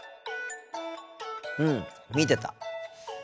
うん見てた。